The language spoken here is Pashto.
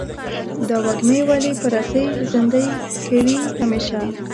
دا وږمې ولې په رسۍ زندۍ کوې همیشه؟